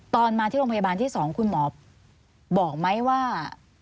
ตอนมาที่โรงพยาบาลที่๒คุณหมอบอกไหมว่า